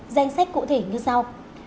danh sách cụ thể như sau